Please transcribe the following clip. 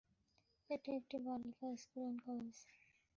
এটি একটি বালিকা স্কুল এন্ড কলেজ।